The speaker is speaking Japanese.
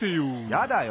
やだよ。